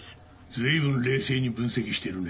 随分冷静に分析しているね。